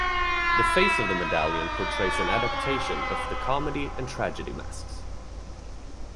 The face of the medallion portrays an adaptation of the comedy and tragedy masks.